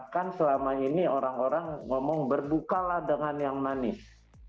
kan selama ini orang orang ngomong berbukalah dengan yang manis